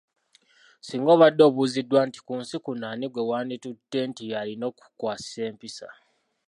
Singa obadde obuuziddwa nti ku nsi kuno, ani gwe wanditutte nti y'alina okukukwasisa empisa.